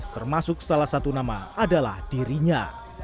termasuk salah satu nama adalah dirinya